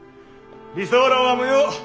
理想論は無用。